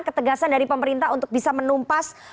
ketegasan dari pemerintah untuk bisa menumpas